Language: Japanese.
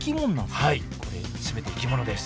はいこれ全て生き物です。